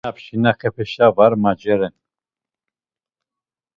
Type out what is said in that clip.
Na pşignipeşa va maceren.